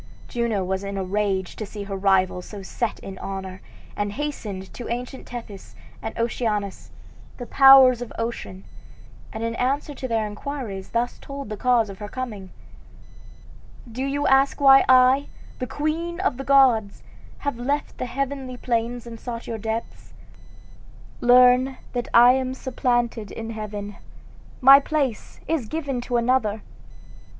Juno was in a rage to see her rival so set in honor, and hastened to ancient Tethys and Oceanus, the powers of ocean, and in answer to their inquiries thus told the cause of her coming: "Do you ask why I, the queen of the gods, have left the heavenly plains and sought your depths? Learn that I am supplanted in heaven my place is given to another.